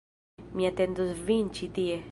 Mi atendos vin ĉi tie